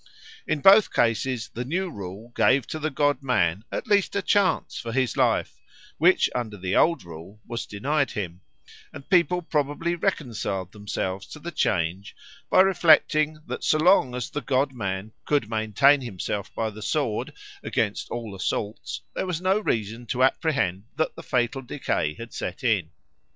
In both cases the new rule gave to the god man at least a chance for his life, which under the old rule was denied him; and people probably reconciled themselves to the change by reflecting that so long as the god man could maintain himself by the sword against all assaults, there was no reason to apprehend that the fatal decay had set in.